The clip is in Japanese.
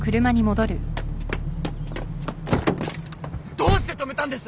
どうして止めたんです！？